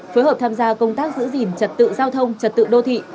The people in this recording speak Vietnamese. phối hợp tham gia công tác giữ gìn trật tự giao thông trật tự đô thị